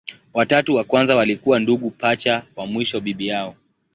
Watatu wa kwanza walikuwa ndugu pacha, wa mwisho bibi yao.